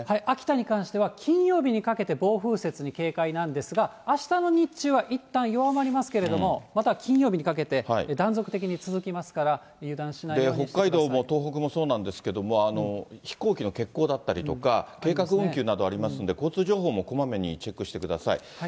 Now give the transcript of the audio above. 秋田に関しては、金曜日にかけて暴風雪に警戒なんですが、あしたの日中はいったん弱まりますけれども、また金曜日にかけて断続的に続きますから、油断しないようにして北海道も東北もそうなんですけど、飛行機の欠航だったりとか、計画運休などありますので、交通情報もこまめにチェックしてください。